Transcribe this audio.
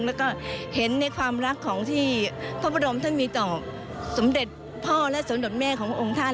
แล้วก็เห็นในความรักของที่พระบรมท่านมีต่อสมเด็จพ่อและสมเด็จแม่ของพระองค์ท่าน